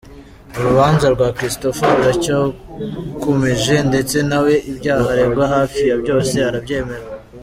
Urubanza rwa Christophe ruracyakomeje, ndetse nawe ibyaha aregwa hafi ya byose arabyemera.